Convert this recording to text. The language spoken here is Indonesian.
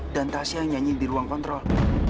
dan tasya yang nyanyi di ruang kontrol